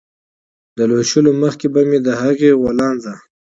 له لوشلو مخکې به مې د هغې غولانځه